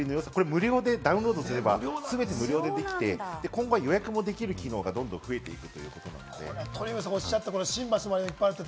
無料でダウンロードすれば、すべて無料でできて、今晩予約もできる機能がどんどん増えていく。